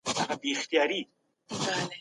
موږ اوس هم د هغه په نظریاتو بوخت یو.